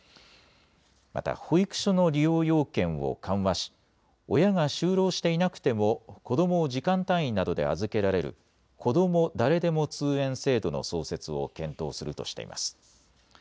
また、保育所の利用要件を緩和し、親が就労していなくても、子どもを時間単位などで預けられる、こども誰でも通園制度の創設を検討するとしています。